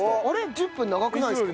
１０分長くないですか？